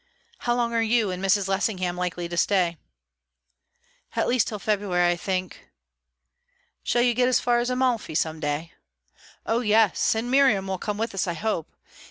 "How long are you and Mrs. Lessingham likely to stay?" "At least till February, I think." "Shall you get as far as Amalfi some day?" "Oh yes! And Miriam will come with us, I hope.